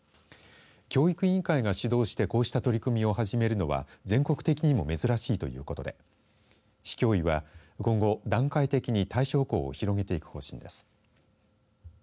教育委員会が主導してこうした取り組みを始めるのは全国的にも珍しいということで、市教委は今後、段階的に対象校を広げていく方針です。